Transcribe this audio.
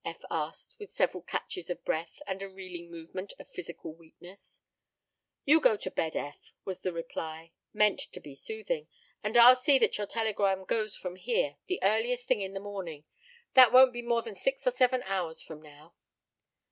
Eph asked, with several catches of breath and a reeling movement of physical weakness. "You go to bed, Eph," was the reply, meant to be soothing, "and I'll see that your telegram goes from here the earliest thing in the morning. That won't be more than six or seven hours from now."